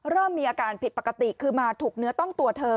เริ่มมีอาการผิดปกติคือมาถูกเนื้อต้องตัวเธอ